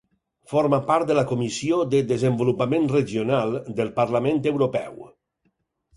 Forma part de la Comissió de Desenvolupament Regional del Parlament Europeu.